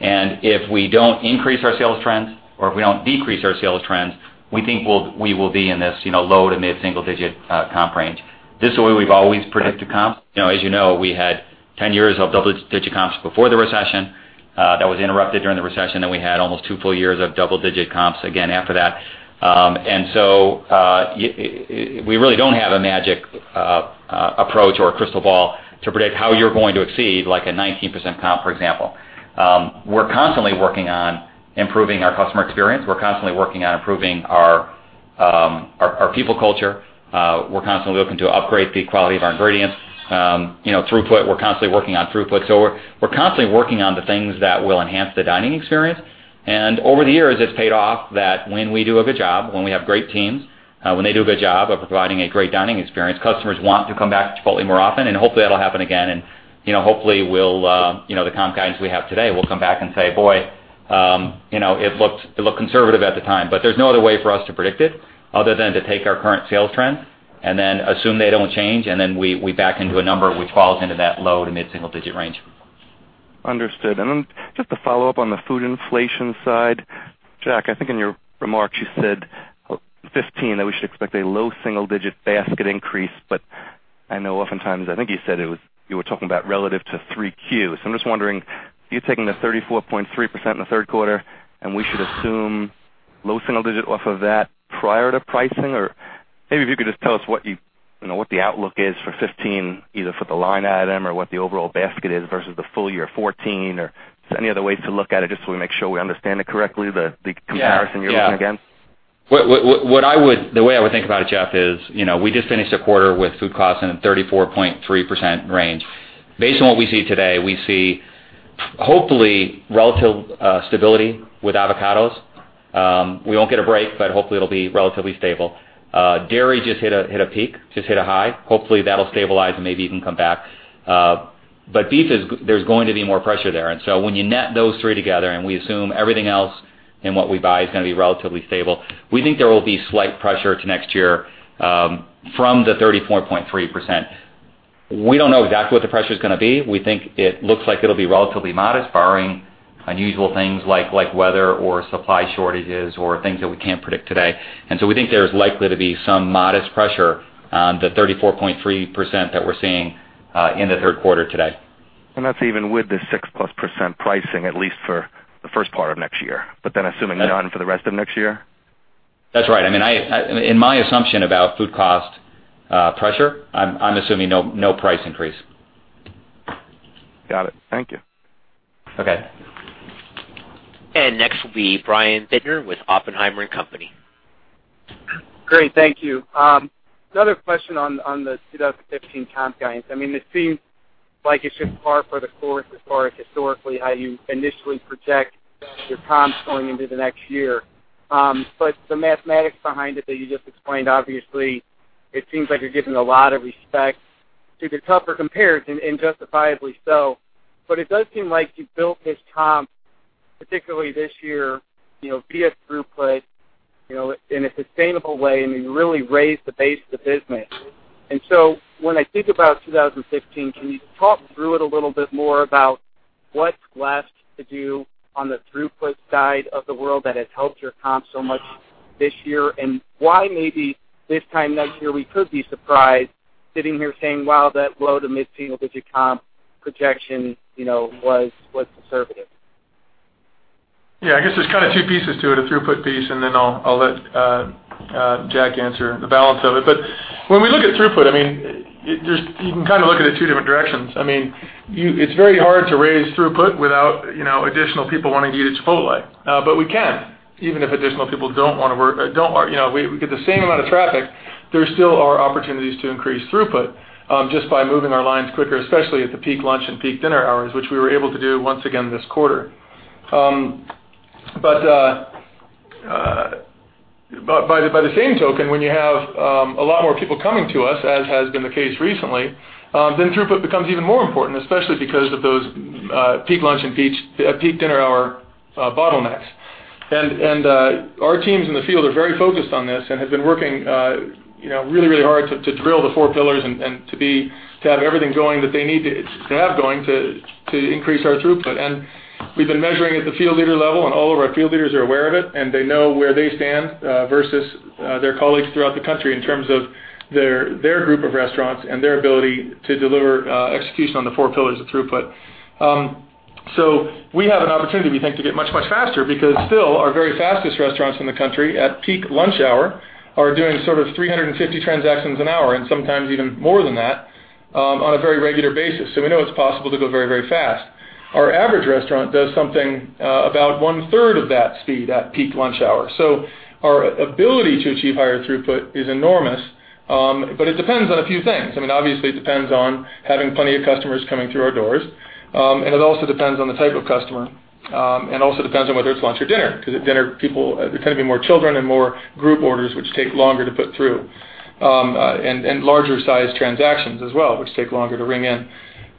If we don't increase our sales trends, or if we don't decrease our sales trends, we think we will be in this low to mid-single digit comp range. This is the way we've always predicted comp. As you know, we had 10 years of double-digit comps before the recession. That was interrupted during the recession, then we had almost 2 full years of double-digit comps again after that. We really don't have a magic approach or a crystal ball to predict how you're going to exceed like a 19% comp, for example. We're constantly working on improving our customer experience. We're constantly working on improving our people culture. We're constantly looking to upgrade the quality of our ingredients. Throughput, we're constantly working on Throughput. We're constantly working on the things that will enhance the dining experience. Over the years, it's paid off that when we do a good job, when we have great teams, when they do a good job of providing a great dining experience, customers want to come back to Chipotle more often, hopefully that'll happen again and hopefully the comp guidance we have today will come back and say, "Boy, it looked conservative at the time." There's no other way for us to predict it other than to take our current sales trend and then assume they don't change, then we back into a number which falls into that low to mid-single digit range. Understood. Then just to follow up on the food inflation side. Jack, I think in your remarks, you said 2015, that we should expect a low single-digit basket increase, I know oftentimes, I think you said you were talking about relative to 3Q. I'm just wondering, are you taking the 34.3% in the third quarter, and we should assume low single digit off of that prior to pricing? Maybe if you could just tell us what the outlook is for 2015, either for the line item or what the overall basket is versus the full year 2014, or any other ways to look at it, just so we make sure we understand it correctly, the comparison you're looking against. Yeah. The way I would think about it, Jeff, is, we just finished a quarter with food costs in the 34.3% range. Based on what we see today, we see hopefully relative stability with avocados. We won't get a break, but hopefully it'll be relatively stable. Dairy just hit a peak, just hit a high. Hopefully, that'll stabilize and maybe even come back. Beef, there's going to be more pressure there. When you net those three together, and we assume everything else in what we buy is going to be relatively stable, we think there will be slight pressure to next year from the 34.3%. We don't know exactly what the pressure's going to be. We think it looks like it'll be relatively modest, barring unusual things like weather or supply shortages or things that we can't predict today. We think there's likely to be some modest pressure on the 34.3% that we're seeing in the third quarter today. That's even with the 6 plus % pricing, at least for the first part of next year. Assuming none for the rest of next year? That's right. In my assumption about food cost pressure, I'm assuming no price increase. Got it. Thank you. Okay. Next will be Brian Bittner with Oppenheimer & Company. Great. Thank you. Another question on the 2015 comp guidance. It seems like it's just par for the course as far as historically how you initially project your comps going into the next year. The mathematics behind it that you just explained, obviously, it seems like you're giving a lot of respect to the tougher comparison, and justifiably so. It does seem like you've built this comp, particularly this year, via throughput, in a sustainable way, and you really raised the base of the business. When I think about 2015, can you talk through it a little bit more about what's left to do on the throughput side of the world that has helped your comp so much this year, and why maybe this time next year, we could be surprised sitting here saying, "Wow, that low to mid-single digit comp projection was conservative. Yeah, I guess there's kind of two pieces to it, a throughput piece, and then I'll let Jack answer the balance of it. When we look at throughput, you can kind of look at it two different directions. It's very hard to raise throughput without additional people wanting to eat at Chipotle. We can, even if additional people don't want to work. We get the same amount of traffic There still are opportunities to increase throughput just by moving our lines quicker, especially at the peak lunch and peak dinner hours, which we were able to do once again this quarter. By the same token, when you have a lot more people coming to us, as has been the case recently, throughput becomes even more important, especially because of those peak lunch and peak dinner hour bottlenecks. Our teams in the field are very focused on this and have been working really hard to drill the Four Pillars of Throughput and to have everything going that they need to have going to increase our throughput. We've been measuring at the field leader level, and all of our field leaders are aware of it, and they know where they stand versus their colleagues throughout the country in terms of their group of restaurants and their ability to deliver execution on the Four Pillars of Throughput. We have an opportunity, we think, to get much faster because still our very fastest restaurants in the country, at peak lunch hour, are doing 350 transactions an hour, and sometimes even more than that on a very regular basis. We know it's possible to go very fast. Our average restaurant does something about one-third of that speed at peak lunch hour. Our ability to achieve higher throughput is enormous. It depends on a few things. Obviously, it depends on having plenty of customers coming through our doors. It also depends on the type of customer, and also depends on whether it's lunch or dinner, because at dinner, there tend to be more children and more group orders, which take longer to put through, and larger size transactions as well, which take longer to ring in.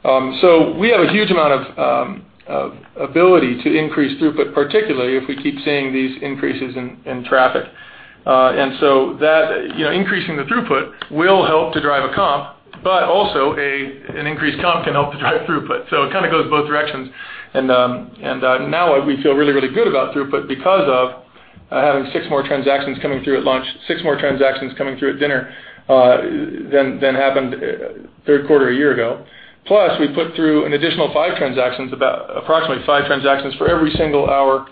We have a huge amount of ability to increase throughput, particularly if we keep seeing these increases in traffic. That, increasing the throughput, will help to drive a comp, but also an increased comp can help to drive throughput. It kind of goes both directions. Now we feel really good about throughput because of having six more transactions coming through at lunch, six more transactions coming through at dinner than happened third quarter a year ago. Plus, we put through an additional five transactions, approximately five transactions for every single hour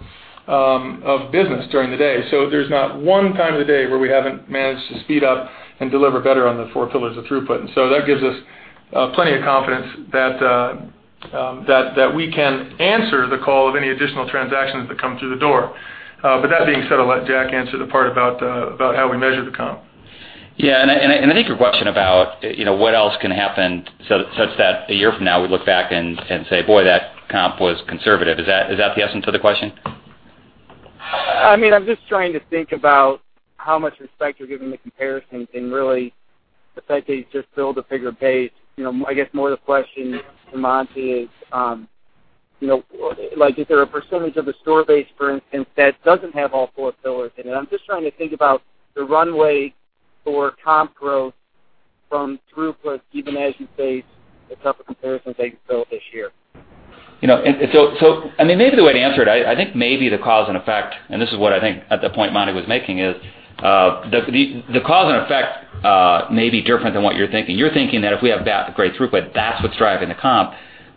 of business during the day. There's not one time of the day where we haven't managed to speed up and deliver better on the Four Pillars of Throughput. That gives us plenty of confidence that we can answer the call of any additional transactions that come through the door. That being said, I'll let Jack answer the part about how we measure the comp. I think your question about what else can happen such that a year from now we look back and say, "Boy, that comp was conservative." Is that the essence of the question? I'm just trying to think about how much respect you're giving the comparison and really the fact that you just build a bigger base. I guess more the question, to Monty, is there a percentage of the store base, for instance, that doesn't have all Four Pillars in it? I'm just trying to think about the runway for comp growth from throughput, even as you face the tougher comparisons that you built this year. Maybe the way to answer it, I think maybe the cause and effect, and this is what I think the point Monty was making is, the cause and effect may be different than what you're thinking. You're thinking that if we have great throughput, that's what's driving the comp.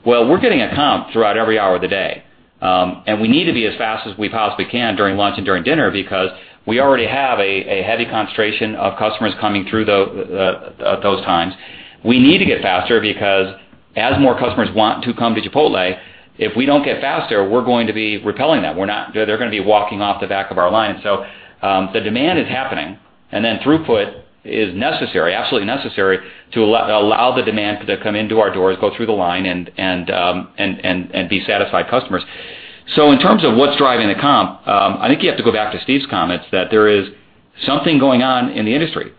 Well, we're getting a comp throughout every hour of the day. We need to be as fast as we possibly can during lunch and during dinner because we already have a heavy concentration of customers coming through at those times. We need to get faster because as more customers want to come to Chipotle, if we don't get faster, we're going to be repelling them. They're going to be walking off the back of our line. The demand is happening, then throughput is necessary, absolutely necessary, to allow the demand to come into our doors, go through the line, and be satisfied customers. In terms of what's driving the comp, I think you have to go back to Steve's comments that there is something going on in the industry.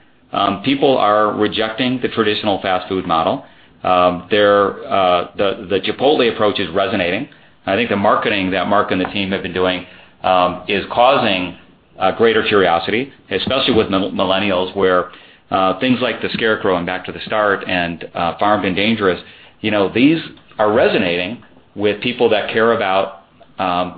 People are rejecting the traditional fast food model. The Chipotle approach is resonating, and I think the marketing that Mark and the team have been doing is causing greater curiosity, especially with millennials, where things like The Scarecrow and Back to the Start and Farmed and Dangerous, these are resonating with people that care about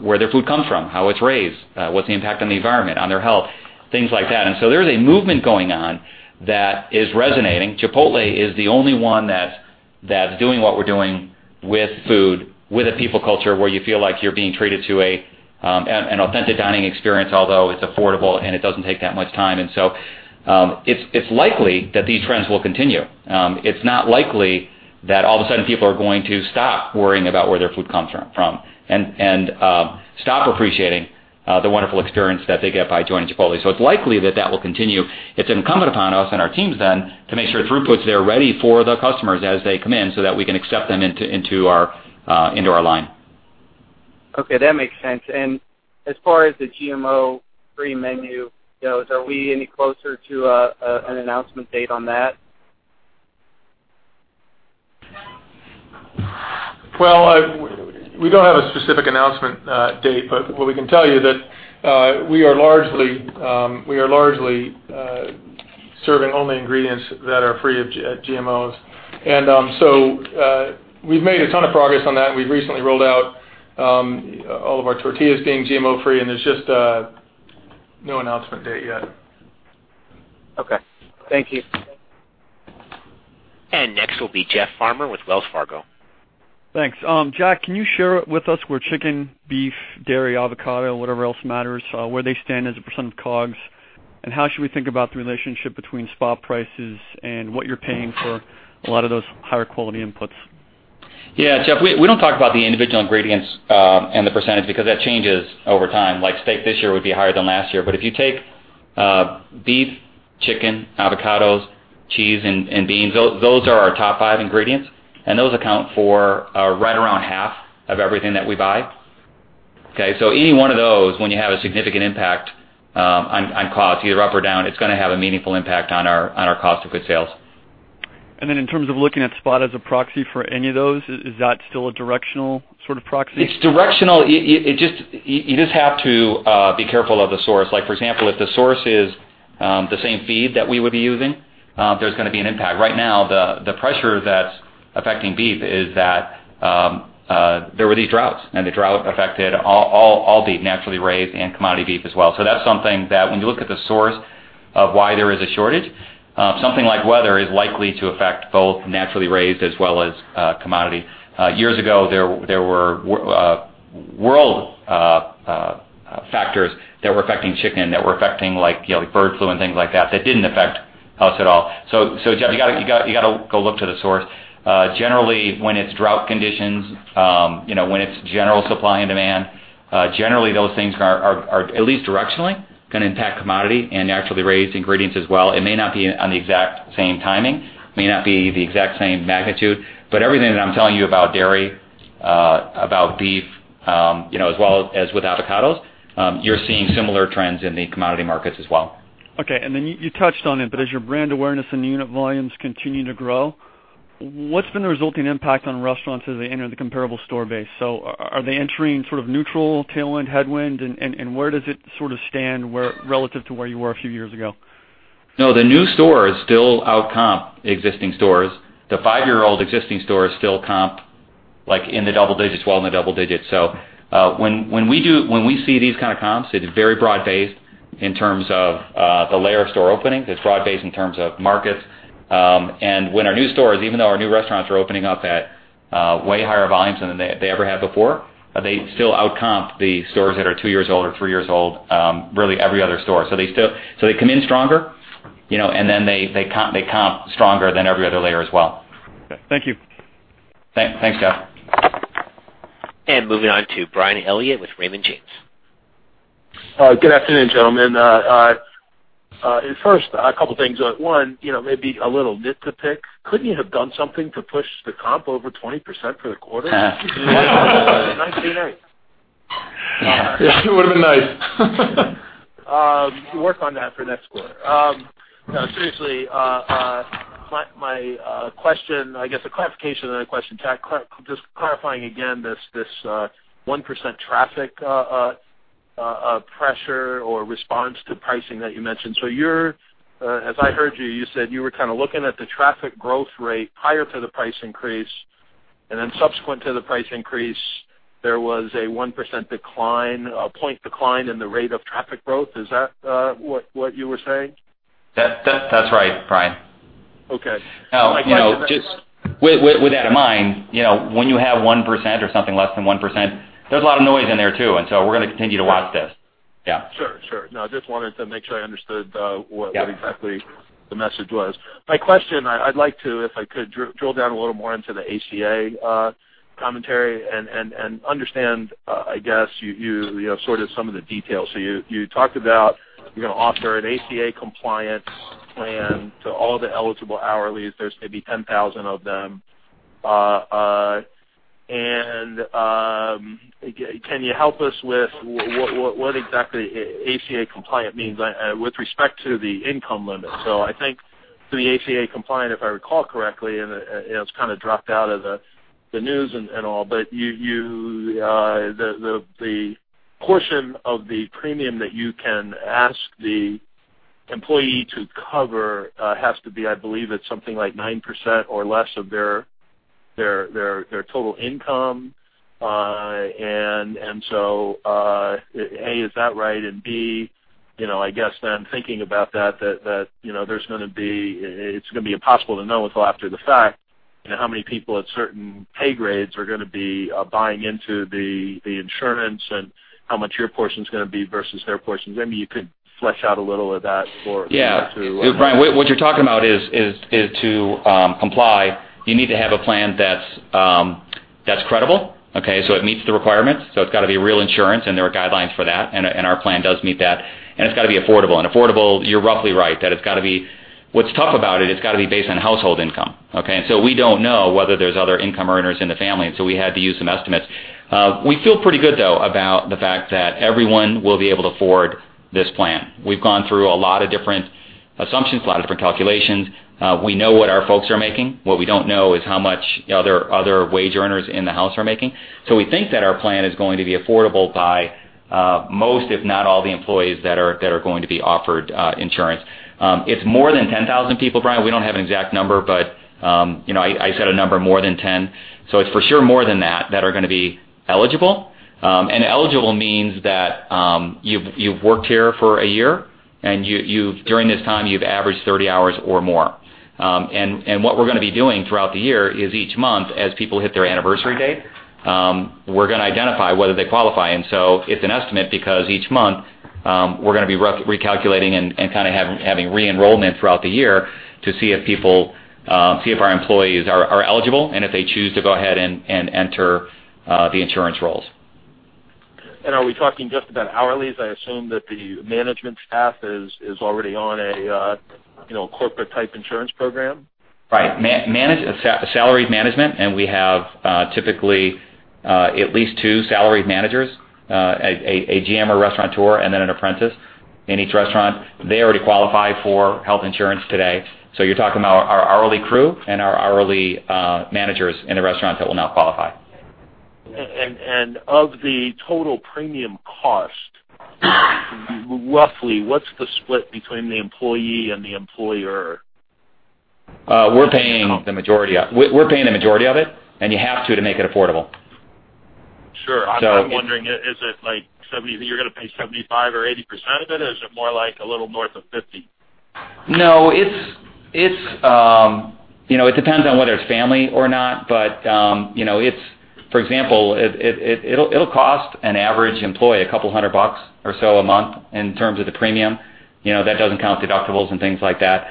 where their food comes from, how it's raised, what's the impact on the environment, on their health, things like that. There's a movement going on that is resonating. Chipotle is the only one that's doing what we're doing with food, with a people culture where you feel like you're being treated to an authentic dining experience, although it's affordable and it doesn't take that much time. It's likely that these trends will continue. It's not likely that all of a sudden people are going to stop worrying about where their food comes from and stop appreciating the wonderful experience that they get by joining Chipotle. It's likely that that will continue. It's incumbent upon us and our teams to make sure throughput's there ready for the customers as they come in so that we can accept them into our line. Okay. That makes sense. As far as the GMO-free menu goes, are we any closer to an announcement date on that? Well, we don't have a specific announcement date, but what we can tell you that we are largely serving only ingredients that are free of GMOs. We've made a ton of progress on that, and we've recently rolled out all of our tortillas being GMO-free, and there's just no announcement date yet. Okay. Thank you. Next will be Jeff Farmer with Wells Fargo. Thanks. Jack, can you share with us where chicken, beef, dairy, avocado, whatever else matters, where they stand as a % of COGS, and how should we think about the relationship between spot prices and what you're paying for a lot of those higher quality inputs? Jeff, we don't talk about the individual ingredients and the % because that changes over time. Like steak this year would be higher than last year. If you take beef, chicken, avocados, cheese, and beans, those are our top five ingredients, and those account for right around half of everything that we buy. Any one of those, when you have a significant impact on cost, either up or down, it's going to have a meaningful impact on our cost of good sales. In terms of looking at spot as a proxy for any of those, is that still a directional sort of proxy? It's directional. You just have to be careful of the source. Like for example, if the source is the same feed that we would be using, there's going to be an impact. Right now, the pressure that's affecting beef is that there were these droughts, and the drought affected all beef, naturally raised and commodity beef as well. That's something that when you look at the source of why there is a shortage, something like weather is likely to affect both naturally raised as well as commodity. Years ago, there were world factors that were affecting chicken, that were affecting bird flu and things like that didn't affect us at all. Jeff, you got to go look to the source. Generally, when it's drought conditions, when it's general supply and demand, generally those things are at least directionally going to impact commodity and naturally raised ingredients as well. It may not be on the exact same timing, may not be the exact same magnitude, but everything that I'm telling you about dairy, about beef, as well as with avocados, you're seeing similar trends in the commodity markets as well. You touched on it, as your brand awareness and unit volumes continue to grow, what's been the resulting impact on restaurants as they enter the comparable store base? Are they entering sort of neutral tailwind, headwind, and where does it sort of stand relative to where you were a few years ago? The new stores still out-comp existing stores. The five-year-old existing stores still comp in the double digits, well in the double digits. When we see these kind of comps, it is very broad-based in terms of the layer of store openings. It's broad-based in terms of markets. When our new stores, even though our new restaurants are opening up at way higher volumes than they ever had before, they still out-comp the stores that are two years old or three years old, really every other store. They come in stronger, they comp stronger than every other layer as well. Okay. Thank you. Thanks, Jeff. Moving on to Bryan Elliott with Raymond James. Good afternoon, gentlemen. First, a couple of things. One, maybe a little nit to pick. Couldn't you have done something to push the comp over 20% for the quarter? 19.8%. Yeah, it would have been nice. You can work on that for next quarter. No, seriously, my question, I guess a clarification, then a question, Jack, just clarifying again this 1% traffic pressure or response to pricing that you mentioned. As I heard you said you were kind of looking at the traffic growth rate prior to the price increase, then subsequent to the price increase, there was a 1% decline, a point decline in the rate of traffic growth. Is that what you were saying? That's right, Bryan. Okay. Just with that in mind, when you have 1% or something less than 1%, there's a lot of noise in there, too, so we're going to continue to watch this. Yeah. Sure. No, I just wanted to make sure I understood what exactly the message was. My question, I'd like to, if I could, drill down a little more into the ACA commentary and understand, I guess, sort of some of the details. You talked about you're going to offer an ACA compliance plan to all the eligible hourlies. There's maybe 10,000 of them. Can you help us with what exactly ACA compliant means with respect to the income limit? I think the ACA compliant, if I recall correctly, and it's kind of dropped out of the news and all, but the portion of the premium that you can ask the employee to cover has to be, I believe it's something like 9% or less of their total income. A, is that right? B, I guess thinking about that, it's going to be impossible to know until after the fact, how many people at certain pay grades are going to be buying into the insurance and how much your portion is going to be versus their portion. Maybe you could flesh out a little of that for me. Yeah. Bryan, what you're talking about is to comply, you need to have a plan that's credible, okay? It meets the requirements. It's got to be real insurance, and there are guidelines for that, and our plan does meet that. It's got to be affordable. Affordable, you're roughly right. What's tough about it's got to be based on household income, okay? We don't know whether there's other income earners in the family, we had to use some estimates. We feel pretty good, though, about the fact that everyone will be able to afford this plan. We've gone through a lot of different assumptions, a lot of different calculations. We know what our folks are making. What we don't know is how much other wage earners in the house are making. We think that our plan is going to be affordable by most, if not all, the employees that are going to be offered insurance. It's more than 10,000 people, Bryan. We don't have an exact number, but I said a number more than 10. It's for sure more than that are going to be eligible. Eligible means that you've worked here for a year. During this time, you've averaged 30 hours or more. What we're going to be doing throughout the year is each month, as people hit their anniversary date, we're going to identify whether they qualify. It's an estimate because each month we're going to be recalculating and kind of having re-enrollment throughout the year to see if our employees are eligible, and if they choose to go ahead and enter the insurance rolls. Are we talking just about hourlies? I assume that the management staff is already on a corporate-type insurance program. Right. Salaried management, we have typically at least two salaried managers, a GM or Restaurateur, and then an apprentice in each restaurant. They already qualify for health insurance today. You're talking about our hourly crew and our hourly managers in the restaurant that will now qualify. Of the total premium cost, roughly, what's the split between the employee and the employer? We're paying the majority of it. You have to make it affordable. Sure. I'm wondering, is it like you're going to pay 75% or 80% of it, or is it more like a little north of 50? It depends on whether it's family or not. For example, it'll cost an average employee a couple of hundred bucks or so a month in terms of the premium. That doesn't count deductibles and things like that.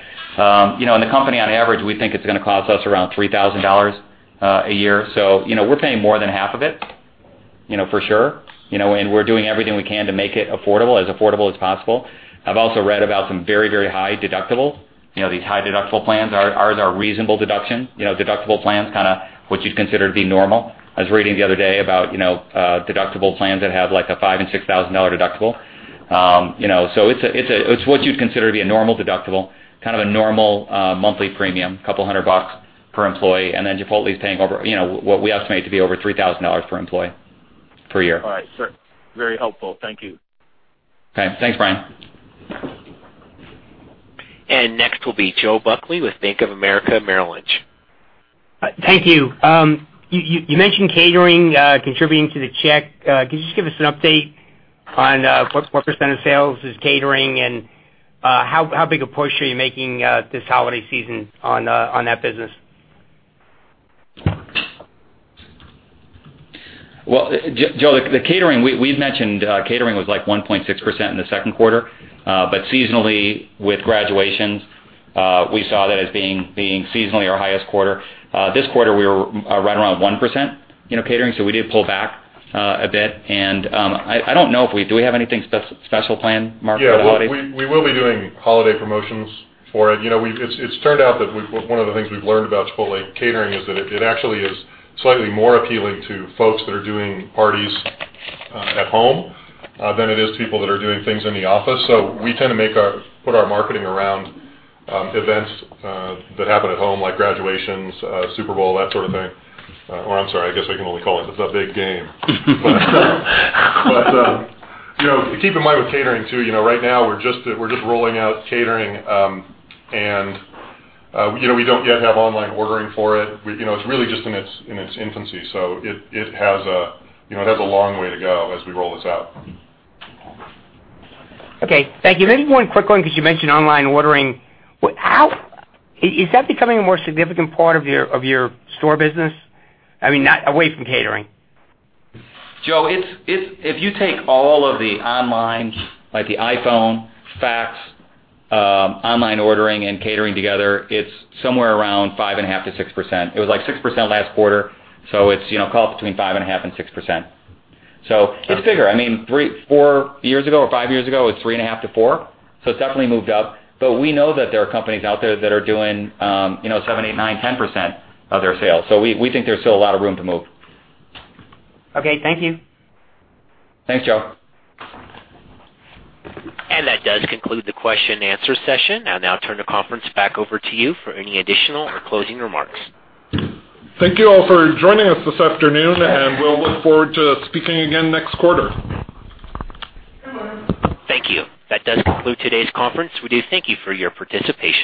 In the company, on average, we think it's going to cost us around $3,000 a year. We're paying more than half of it, for sure. We're doing everything we can to make it as affordable as possible. I've also read about some very, very high deductible. These high deductible plans. Ours are reasonable deductible plans, kind of what you'd consider to be normal. I was reading the other day about deductible plans that have like a $5,000 and $6,000 deductible. It's what you'd consider to be a normal deductible, kind of a normal monthly premium, a couple of hundred bucks per employee, and then Chipotle is paying what we estimate to be over $3,000 per employee, per year. All right, sir. Very helpful. Thank you. Okay. Thanks, Bryan. Next will be Joseph Buckley with Bank of America Merrill Lynch. Thank you. You mentioned catering contributing to the check. Could you just give us an update on what % of sales is catering, and how big a push are you making this holiday season on that business? Well, Joe, the catering, we've mentioned catering was like 1.6% in the second quarter. Seasonally, with graduations, we saw that as being seasonally our highest quarter. This quarter, we were right around 1% in catering, so we did pull back a bit. I don't know if we have anything special planned, Mark, for the holidays? Yeah. We will be doing holiday promotions for it. It has turned out that one of the things we have learned about Chipotle catering is that it actually is slightly more appealing to folks that are doing parties at home than it is people that are doing things in the office. We tend to put our marketing around events that happen at home, like graduations, Super Bowl, that sort of thing. I am sorry, I guess we can only call it the big game. Keep in mind with catering, too, right now, we are just rolling out catering, and we do not yet have online ordering for it. It is really just in its infancy, it has a long way to go as we roll this out. Okay. Thank you. Maybe one quick one, because you mentioned online ordering. Is that becoming a more significant part of your store business? I mean, away from catering. Joe, if you take all of the online, like the iPhone, fax, online ordering, and catering together, it is somewhere around 5.5%-6%. It was like 6% last quarter, it is call it between 5.5% and 6%. It is bigger. I mean, four years ago or five years ago, it was 3.5%-4%, it has definitely moved up. We know that there are companies out there that are doing seven, eight, nine, 10% of their sales. We think there is still a lot of room to move. Okay. Thank you. Thanks, Joe. That does conclude the question and answer session. I'll now turn the conference back over to you for any additional or closing remarks. Thank you all for joining us this afternoon, and we'll look forward to speaking again next quarter. Thank you. That does conclude today's conference. We do thank you for your participation